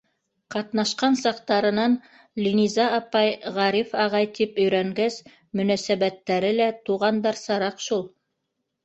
Ҡатнашҡан саҡтарынан «Линиза апай», «Ғариф ағай» тип өйрәнгәс, мөнәсәбәттәре лә туғандарсараҡ шул.